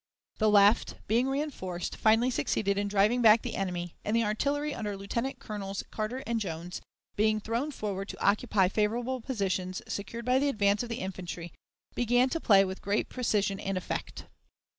The left, being reënforced, finally succeeded in driving back the enemy, and the artillery under Lieutenant Colonels Carter and Jones, being thrown forward to occupy favorable positions secured by the advance of the infantry, began to play with great precision and effect.